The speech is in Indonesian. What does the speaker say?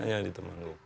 hanya di temanggung